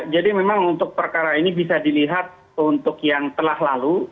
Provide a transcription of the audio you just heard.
jadi memang untuk perkara ini bisa dilihat untuk yang telah lalu